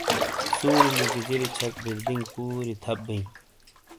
سُوری نیگیجیلی چھک بِیردینگ پُوری تھپ بئیں۔